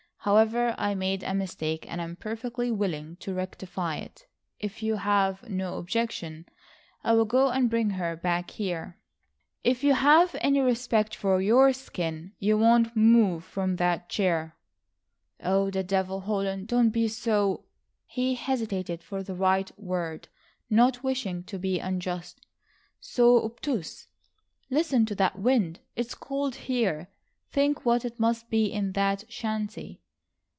However, I made a mistake and I am perfectly willing to rectify it. If you have no objection, I'll go and bring her back here." "If you have any respect for your skin you won't move from that chair." "Oh, the devil, Holland, don't be so—" he hesitated for the right word, not wishing to be unjust,—"so obtuse. Listen to that wind! It's cold here. Think what it must be in that shanty."